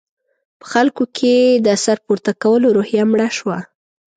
په خلکو کې د سر پورته کولو روحیه مړه شوه.